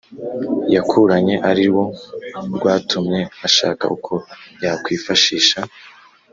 yakuranye arirwo rwatumye ashaka uko yakwifashisha